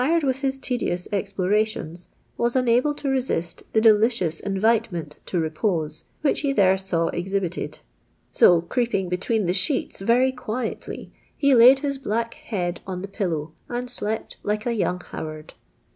d with his tedious explorations, was unable to resist the delicious invitement to repose, which he there saw exhibited : so, creepin&f between tiic sh:»et8 very quietly, he laid his black head on the pillow and slept like a young Howard."